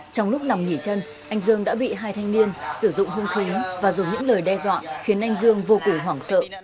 trong lúc nằm nghỉ chân anh dương đã bị hai thanh niên sử dụng hung khí và dùng những lời đe dọa khiến anh dương vô cùng hoảng sợ